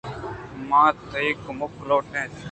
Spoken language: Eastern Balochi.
من ءَ تئی کمک لوٹ ایت۔